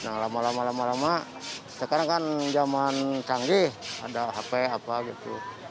nah lama lama lama sekarang kan zaman canggih ada hp apa gitu